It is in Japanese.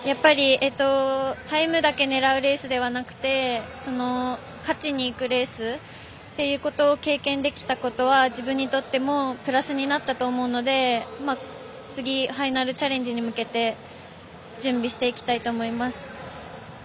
タイムだけ狙うレースではなくて勝ちに行くレースを経験できたことは自分にとってもプラスになったと思うので次、ファイナルチャレンジに向け準備していきたいと思います。